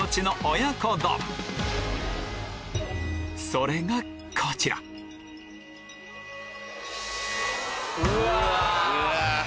それがこちらうわ！